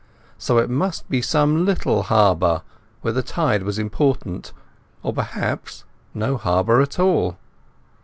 So it must be some little harbour where the tide was important, or perhaps no harbour at all.